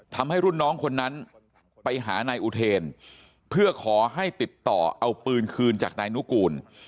ทำให้รุ่นน้องคนนั้นไปหานายอุเทนเพื่อขอให้ติดต่อเอาปืนคืนจากนายนุกูล